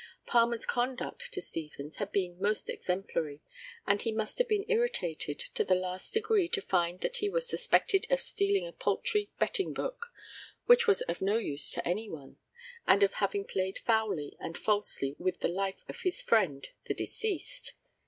Palmer's conduct to Stevens had been most exemplary, and he must have been irritated to the last degree to find that he was suspected of stealing a paltry betting book, which was of no use to anyone, and of having played foully and falsely with the life of his friend, the deceased.